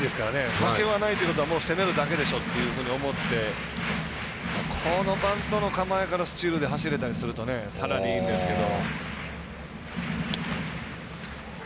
負けはないということはもう攻めるだけでしょと思って、このバントの構えからスチールで走れたりするとさらにいいんですけど。